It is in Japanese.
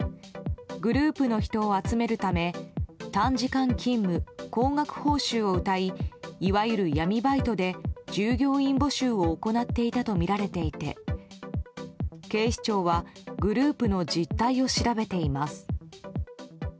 グループの人を集めるため短時間勤務、高額報酬をうたいいわゆる闇バイトで従業員募集を行っていたとみられていて警視庁はグループの実態を調べています。